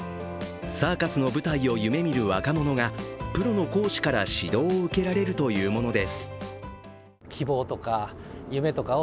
サーカスの舞台を夢見る若者がプロの講師から指導を受けられるというものです。